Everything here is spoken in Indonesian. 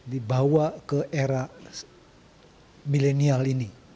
dibawa ke era milenial ini